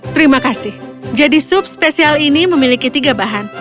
terima kasih jadi sup spesial ini memiliki tiga bahan